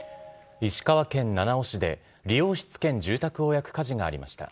石川県七尾市で、理容室兼住宅を焼く火事がありました。